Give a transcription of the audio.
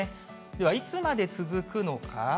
では、いつまで続くのか。